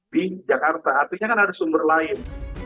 di jakarta artinya kan ada sumber lain